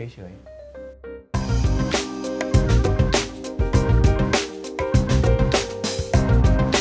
โปรดติดตามตอนต่อไป